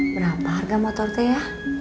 berapa harga motor teh ya